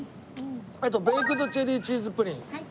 あとベイクドチェリーチーズプリン。